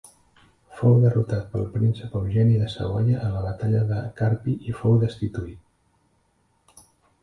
Fou derrotat pel Príncep Eugeni de Savoia a la Batalla de Carpi i fou destituït.